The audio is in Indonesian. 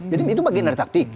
jadi itu bagian dari taktik